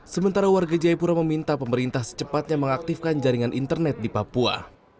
sementara warga jayapura meminta pemerintah secepatnya mengaktifkan jaringan internet di papua